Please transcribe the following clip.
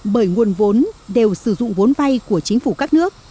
bởi nguồn vốn đều sử dụng vốn vay của chính phủ các nước